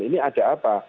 ini ada apa